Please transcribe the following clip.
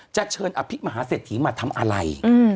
จะเชิญอภิกษ์มหาเสถียงมาทำอะไร